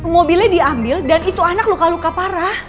mobilnya diambil dan itu anak luka luka parah